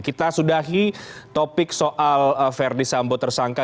kita sudahi topik soal verdi sambo tersangka